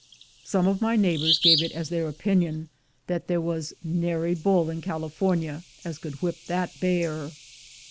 Some of my neighbors gave it as their opinion, that there was "nary bull in Calaforny as could whip that bar."